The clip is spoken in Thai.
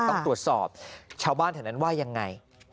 ต้องตรวจสอบชาวบ้านแถวนั้นว่ายังไง